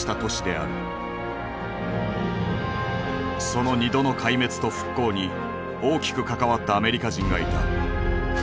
その２度の壊滅と復興に大きく関わったアメリカ人がいた。